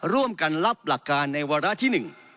ร่วมกันรับหลักการในวาระที่๑